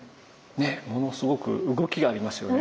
ものすごく動きがありますよね。